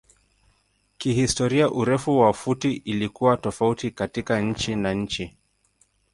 Kihistoria urefu wa futi ilikuwa tofauti kati nchi na nchi.